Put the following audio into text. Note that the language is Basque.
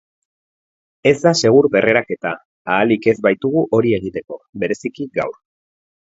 Ez da segur berreraketa, ahalik ez baitugu hori egiteko, bereziki gaur.